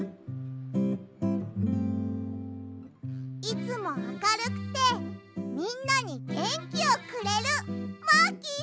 いつもあかるくてみんなにげんきをくれるマーキーさん！